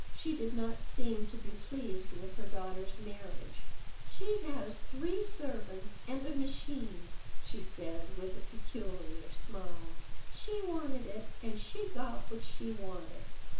She did not seem to be pleased with her daughter's marriage "She has three servants and a machine," she said, with a peculiar smile. "She wanted it and she got what she wanted."